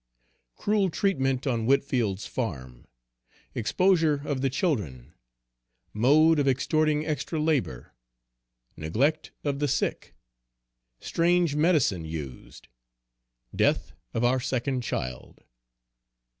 _Cruel treatment on Whitfield's farm Exposure of the children Mode of extorting extra labor Neglect of the sick Strange medicine used Death of our second child.